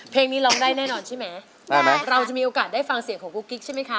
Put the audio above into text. เพลงนี้ร้องได้แน่นอนใช่ไหมเราจะมีโอกาสได้ฟังเสียงของกุ๊กกิ๊กใช่ไหมคะ